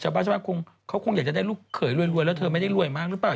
ชาวบ้านคงเขาคงอยากจะได้ลูกเขยรวยแล้วเธอไม่ได้รวยมากหรือเปล่า